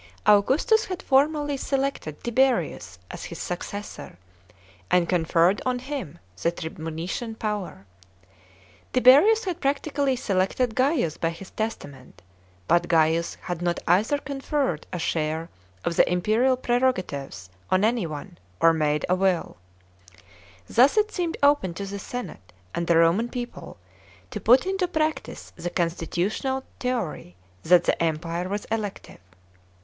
Augustus had formally selected Tiberius as his successor, and conferred on him the tribunician power ; Tiberius had practically selected Gaius by his testament, but Gaius had not either conferred a share of tlie imperial prerogatives on any one, or made a wilL Thus it seemed open to the senate and the Roman people to put into practice the constitutional theory that the Empire was elective.